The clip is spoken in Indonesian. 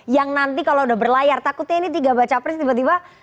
yang nanti kalau udah berlayar takutnya ini tiga baca pres tiba tiba ada yang gak berlayar